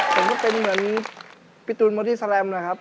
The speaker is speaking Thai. ผมจะเป็นเหมือนพี่ตุ๋มที่สแลมนะครับ